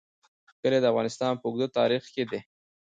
کلي د افغانستان په اوږده تاریخ کې دي.